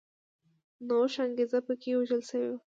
نوښت انګېزه په کې وژل شوې وه